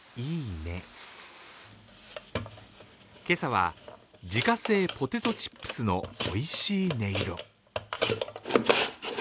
今朝は自家製ポテトチップスのおいしい音色。